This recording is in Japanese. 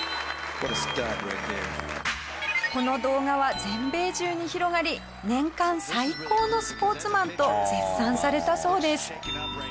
この動画は全米中に広がり「年間最高のスポーツマン」と絶賛されたそうです。